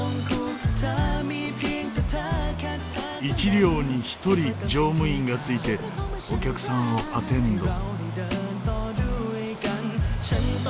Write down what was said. １両に１人乗務員が付いてお客さんをアテンド。